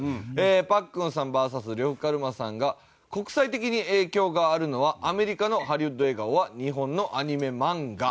パックンさんＶＳ呂布カルマさんが「国際的に影響があるのはアメリカのハリウッド映画ｏｒ日本のアニメ・漫画」。